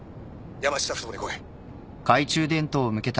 山下ふ頭に来い。